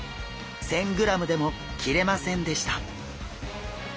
１，０００ｇでも切れませんでした。